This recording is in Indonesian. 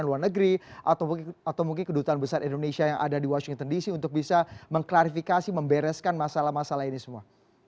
luar negeri atau mungkin kedutaan besar indonesia yang ada di washington dc untuk bisa mengklarifikasi membereskan masalah masalah ini semua